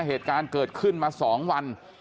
เหตุการณ์เกิดขึ้นมา๒วัน